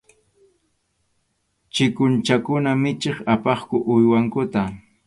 Chikuchakuna michiq apaqku uywankuta.